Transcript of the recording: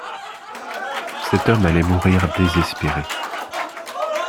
Cet homme allait mourir désespéré.